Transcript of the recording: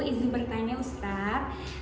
izi bertanya ustadz